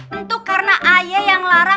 tentu karena ayah yang larang